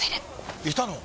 いたの？